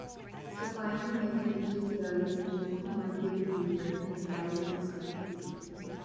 Supply and demand indicates value through typical market behavior of both buyers and sellers.